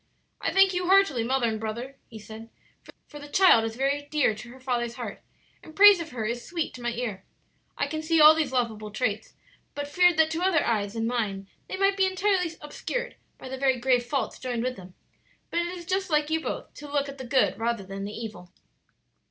"I thank you heartily, mother and brother," he said; "for the child is very dear to her father's heart, and praise of her is sweet to my ear. I can see all these lovable traits, but feared that to other eyes than mine they might be entirely obscured by the very grave faults joined with them. But it is just like you both to look at the good rather than the evil.